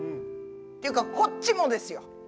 ていうかこっちもですよ！